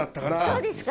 そうですか。